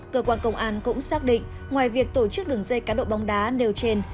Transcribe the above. cơ quan công an cũng xác định ngoài việc tổ chức đường dây cá độ bóng đá nêu trên